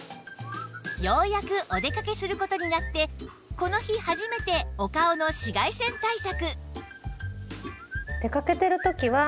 ようやくお出かけする事になってこの日初めてお顔の紫外線対策